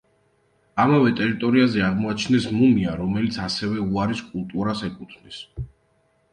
ამავე ტერიტორიაზე, აღმოაჩინეს მუმია, რომელიც ასევე უარის კულტურას ეკუთვნის.